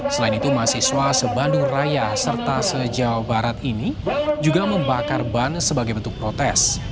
selain itu mahasiswa se bandung raya serta sejauh barat ini juga membakar ban sebagai bentuk protes